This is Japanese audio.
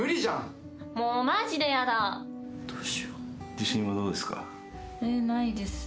自信はどうですか？